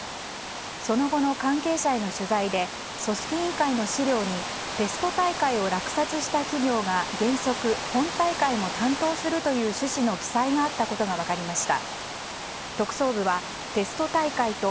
その後の関係者への取材で組織委員会の資料にテスト大会を落札した企業が原則、本大会も担当するという趣旨の記載があったことが分かりました。